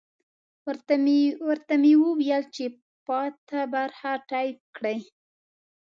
ورته مې وویل چې پاته برخه ټایپ کړي.